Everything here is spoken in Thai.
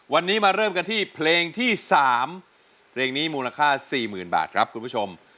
วันนี้มาเริ่มกันที่เพลงที่๓เพลงนี้มูลค่า๔๐๐๐บาทครับคุณผู้ชม